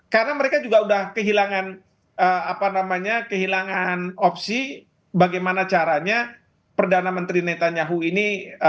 karena mereka juga sudah kehilangan apa namanya kehilangan opsi bagaimana caranya perdana menteri netanyahu ini